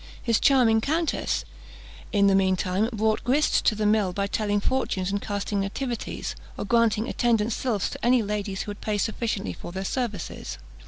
His charming countess, in the meantime, brought grist to the mill by telling fortunes and casting nativities, or granting attendant sylphs to any ladies who would pay sufficiently for their services.